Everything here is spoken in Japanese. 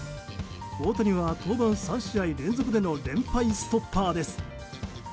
大谷は登板３試合連続での連敗ストッパーです。